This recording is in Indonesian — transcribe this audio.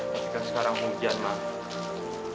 tapi kan sekarang hujan mas